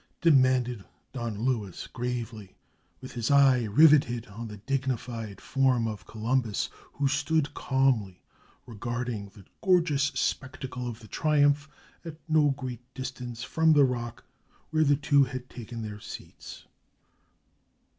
demanded Don Luis gravely, with his eye riveted on the dignified form of Columbus, who stood calmly regarding the gorgeous spectacle of the triumph at no great distance from the rock where the two had taken their seats.